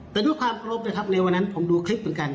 แต่ด้วยความโปรบในวันนั้นผมดูคลิปเหมือนกัน